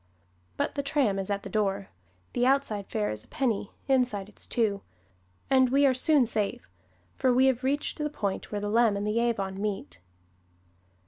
But the tram is at the door the outside fare is a penny, inside it's two and we are soon safe, for we have reached the point where the Leam and the Avon meet.